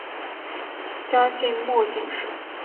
嘉靖末进士。